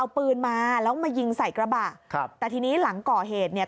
เอาปืนมาแล้วมายิงใส่กระบะครับแต่ทีนี้หลังก่อเหตุเนี่ย